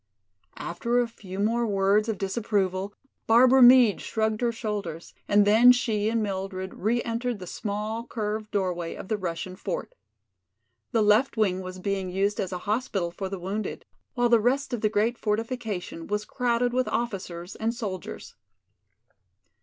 After a few more words of disapproval, Barbara Meade shrugged her shoulders, and then she and Mildred re entered the small curved doorway of the Russian fort. The left wing was being used as a hospital for the wounded, while the rest of the great fortification was crowded with officers and soldiers.